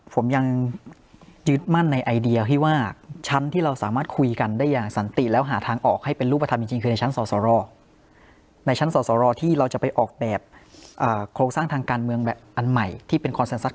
ผมยังยืดมั่นในไอเดียที่ว่าชั้นที่เราสามารถคุยกันได้อย่างสันติแล้วหาทางออกให้เป็นรูปทำจริงจริงคือ